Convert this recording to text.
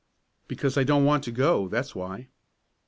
"Because I don't want to go that's why."